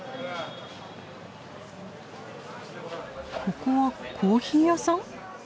ここはコーヒー屋さん？